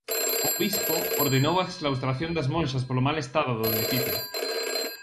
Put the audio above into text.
O bispo ordenou a exclaustración das monxas polo mal estado do edificio.